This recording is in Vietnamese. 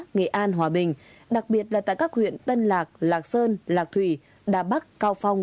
nghệ an hòa bình đặc biệt là tại các huyện tân lạc lạc sơn lạc thủy đà bắc cao phong